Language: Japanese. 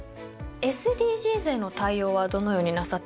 ＳＤＧｓへの対応はどのようになさっているんですか？